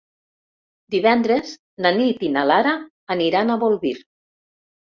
Divendres na Nit i na Lara aniran a Bolvir.